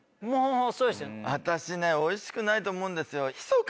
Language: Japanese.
私ねオイシくないと思うんですよ。